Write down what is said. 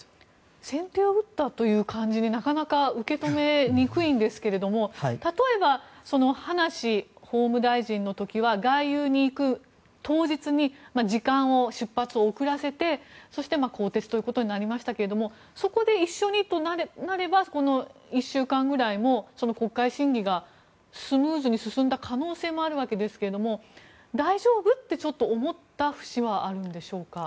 先手を打ったという感じになかなか受け止めにくいんですが例えば、その葉梨法務大臣の時は外遊に行く当日に時間を出発を遅らせて更迭ということになりましたがそこで一緒にとなればこの１週間くらいも国会審議がスムーズに進んだ可能性もあるわけですが大丈夫と思った節はあるんでしょうか。